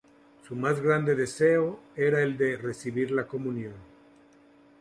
Su más grande deseo era el de recibir la comunión.